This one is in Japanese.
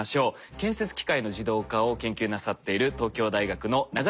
建設機械の自動化を研究なさっている東京大学の永谷圭司さんです。